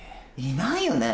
いないよね。